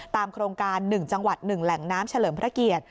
โครงการ๑จังหวัด๑แหล่งน้ำเฉลิมพระเกียรติ